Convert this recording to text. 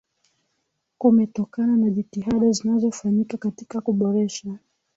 kumetokana na jitihada zinazofanyika katika kuboresha